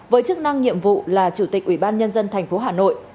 với chức năng nhiệm vụ là chủ tịch ubnd tp hà nội